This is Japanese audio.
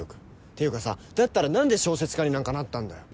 っていうかさだったら何で小説家になんかなったんだよ。